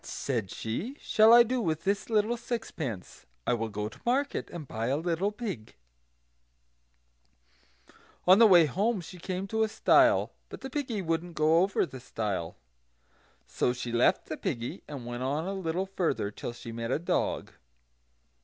"What," said she, "shall I do with this little sixpence? I will go to market, and buy a little pig." On the way home she came to a stile; but the piggy wouldn't go over the stile. So she left the piggy and went on a little further, till she met a dog.